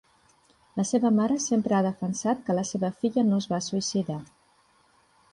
La seva mare sempre ha defensat que la seva filla no es va suïcidar.